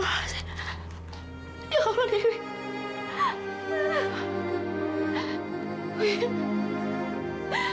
ya allah dewi